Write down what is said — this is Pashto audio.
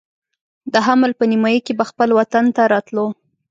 د حمل په نیمایي کې به خپل وطن ته راتلو.